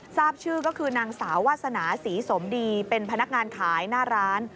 ทราบชื่อก็คือนางสาววาสนาศรีสมดีเป็นพนักงานขายหน้าร้าน